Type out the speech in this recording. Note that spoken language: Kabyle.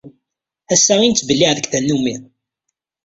Assa i nettbelliε deg tannumi.